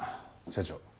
社長